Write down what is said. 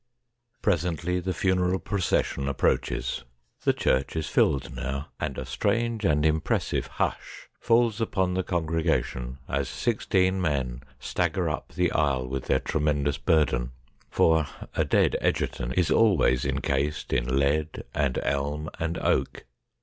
Presently the funeral procession approaches. The church A NIGHT WITH THE DEAD 191 is filled now, and a strange and impressive Lush falls upon the congregation, as sixteen men stagger up the aisle with their tremendous burden, for a dead Egerton is always en cased in lead, and elm, and oak.